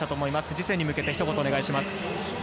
次戦に向けてひと言お願いします。